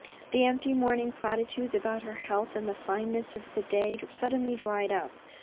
The empty morning platitudes about their health and the fineness of the day suddenly dried up.